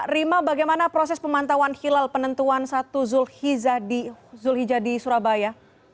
rima bagaimana proses pemantauan hilal penentuan satu zulhijjah di surabaya